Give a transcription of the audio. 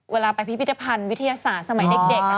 เวลาไปพิพิธภัณฑ์วิทยาศาสตร์สมัยเด็ก